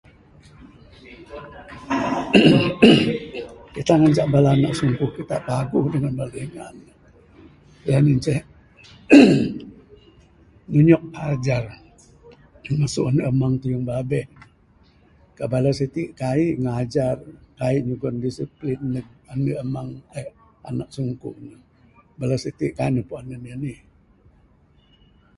Kita ngancak bala anak sungkuh kita paguh dangan bala dingan ne. Sien inceh nunjok ajar masu ande amang, tayung babeh. Ka bala siti kaik ngajar, kaik nyugon discipline neg ande amang eh anak sungkuh ne. Bala siti kaik ne puan anih anih.